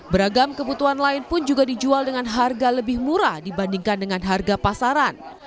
beragam kebutuhan lain pun juga dijual dengan harga lebih murah dibandingkan dengan harga pasaran